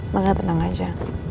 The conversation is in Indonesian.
ya gak tenang aja